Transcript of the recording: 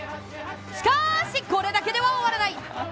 しかーし、これだけでは終わらない！